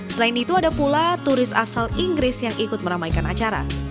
selain itu ada pula turis asal inggris yang ikut meramaikan acara